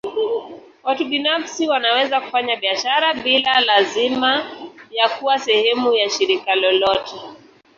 Watu binafsi wanaweza kufanya biashara bila lazima ya kuwa sehemu ya shirika lolote.